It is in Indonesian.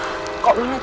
tidak ada yang lari